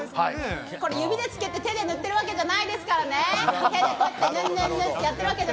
指でつけて手で塗っているわけじゃないですから。